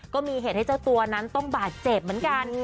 ก็มีเหตุให้เจ้าตัวนั้นต้องบาดเจ็บเหมือนกัน